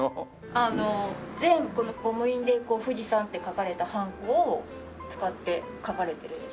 あの全部ゴム印で富士山って書かれたハンコを使って描かれてる絵です。